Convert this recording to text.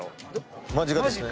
間近ですね。